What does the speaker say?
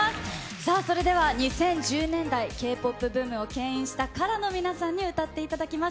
さあ、それでは２０１０年代、Ｋ−ＰＯＰブームをけん引したＫＡＲＡの皆さんに歌っていただきます。